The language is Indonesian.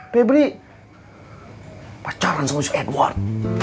pebri pacaran sama edward